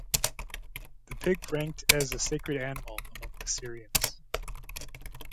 The pig ranked as a sacred animal among the Syrians.